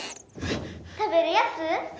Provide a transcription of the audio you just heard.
食べるやつ？